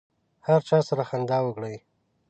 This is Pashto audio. هر چا سره خندا وکړئ.